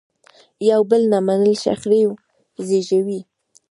یو بل نه منل شخړې زیږوي.